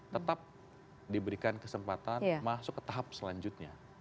tetap diberikan kesempatan masuk ke tahap selanjutnya